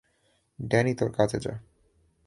Danny তোর কাজে যা।